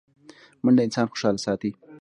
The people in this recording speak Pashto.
منډه انسان خوشحاله ساتي